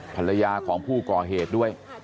ภรรยาของผู้ก่อเหตุด้วย